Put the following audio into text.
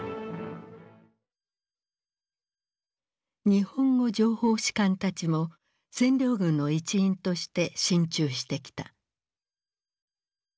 日本語情報士官たちも占領軍の一員として進駐してきた。